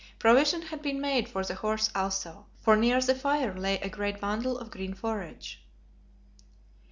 Provision had been made for the horse also, for near the fire lay a great bundle of green forage.